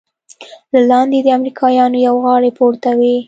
له لاندې د امريکايانو بوغارې پورته وې.